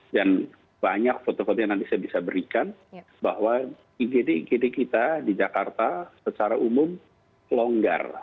dan banyak foto foto yang nanti saya bisa berikan bahwa igd igd kita di jakarta secara umum longgar